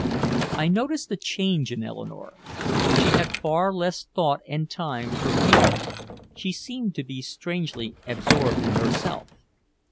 I noticed a change in Eleanore. She had far less thought and time for me now, she seemed to be strangely absorbed in herself.